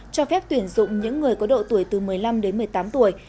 cho phép tuyển dụng những người có độ tuổi từ một mươi năm đến một mươi tám tuổi